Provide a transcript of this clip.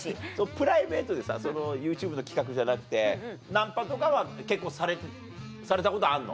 プライベートでさＹｏｕＴｕｂｅの企画じゃなくてナンパとかは結構されたことあんの？